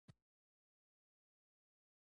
په برېټانیا کې کثرت پالنه د انقلاب نتیجه وه.